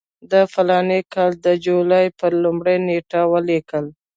د فلاني کال د جولای پر لومړۍ نېټه ولیکل.